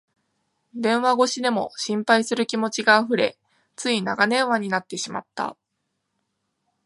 電話越しでも心配する気持ちがあふれ、つい長電話になってしまった